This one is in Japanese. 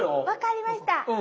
分かりました。